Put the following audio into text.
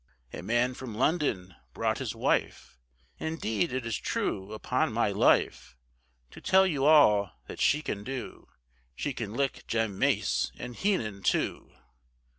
A man from London brought his wife, Indeed it is true upon my life, To tell you all that she can do, She can lick Jem Mace and Heenan too.